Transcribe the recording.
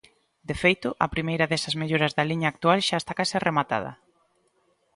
De feito, a primeira desas melloras da liña actual xa está case rematada.